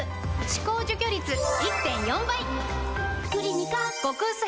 歯垢除去率 １．４ 倍！